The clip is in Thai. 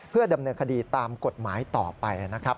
เพื่อดำเนินคดีตามกฎหมายต่อไปนะครับ